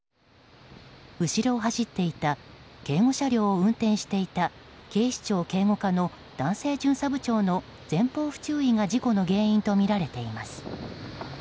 後ろを走っていた警護車両を運転していた警視庁警護課の男性巡査部長の前方不注意が事故の原因とみられています。